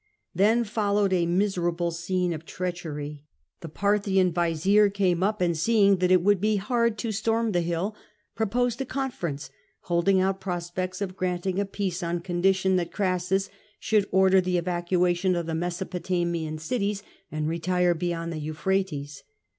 Then followed a miserable scene of treachery. The THE DEATH OE CRASSUS 201 Parthian vizier came up, and seeing that it would be hard to storm the hill, proposed a conference, holding out prospects of granting a peace, on condition that Crassus should order the evacuation of the Mesopotamian cities and retire beyond the Euphrates.